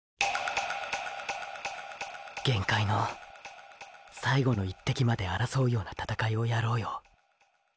限界の最後の一滴まで争うような闘いをやろうよ。